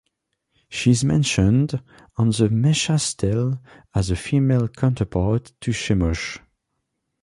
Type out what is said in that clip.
She is mentioned on the Mesha Stele as a female counterpart to Chemosh.